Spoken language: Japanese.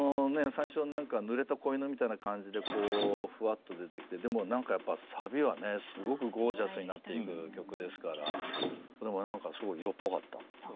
最初は何かぬれた子犬みたいな感じでふわっと出てきてでも何かやっぱサビはねすごくゴージャスになっていく曲ですからでも何かすごい色っぽかった。